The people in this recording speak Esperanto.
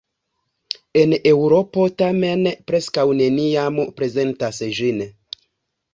En Eŭropo tamen preskaŭ neniam prezentas ĝin.